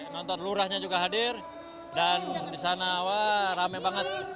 nonton lurahnya juga hadir dan di sana wah rame banget